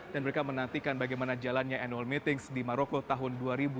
dan mereka menantikan bagaimana jalannya annual meetings di maroko tahun dua ribu dua puluh satu